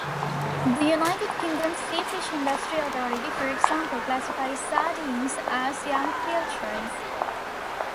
The United Kingdom's Sea Fish Industry Authority, for example, classifies sardines as young pilchards.